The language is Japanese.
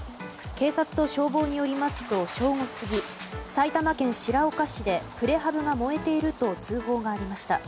警察と消防によりますと正午過ぎ埼玉県白岡市でプレハブが燃えていると通報がありました。